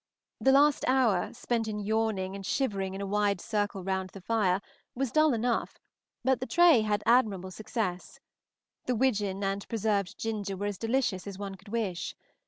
The last hour, spent in yawning and shivering in a wide circle round the fire, was dull enough, but the tray had admirable success. The widgeon and the preserved ginger were as delicious as one could wish.